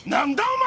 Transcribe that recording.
お前！